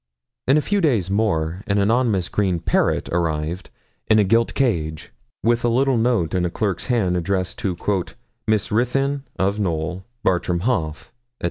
In a few days more an anonymous green parrot arrived, in a gilt cage, with a little note in a clerk's hand, addressed to 'Miss Ruthyn (of Knowl), Bartram Haugh,' &c.